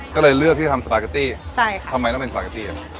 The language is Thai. ก็เลยเลือกที่ทำสปาเกตตี้ทำไมต้องเป็นสปาเกตตี้อ่ะใช่ค่ะ